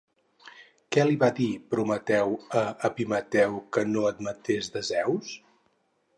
Què va dir-li Prometeu a Epimeteu que no admetés de Zeus?